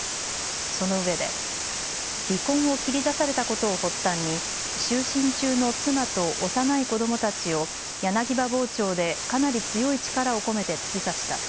そのうえで離婚を切り出されたことを発端に就寝中の妻と幼い子どもたちを柳刃包丁でかなり強い力を込めて突き刺した。